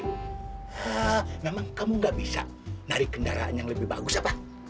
hah memang kamu gak bisa narik kendaraan yang lebih bagus apa